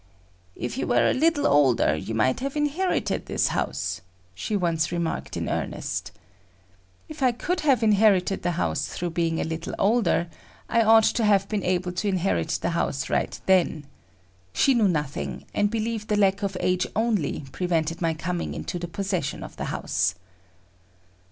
"If you were a little older, you might have inherited this house," she once remarked in earnest. If I could have inherited the house through being a little older, I ought to have been able to inherit the house right then. She knew nothing, and believed the lack of age only prevented my coming into the possession of the house.